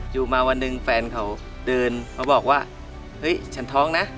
อยู่มาวันหนึ่งแฟนเขาเดินมาบอกว่าเฮ้ยฉันท้องนะ